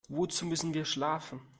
Wozu müssen wir schlafen?